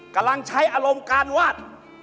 กำลังใช้อารมณ์การวาด